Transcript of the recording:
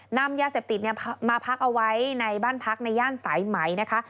นำยาเสพติดมาพักเอาไว้ในบ้านพักในย่านสายไหมนะคะ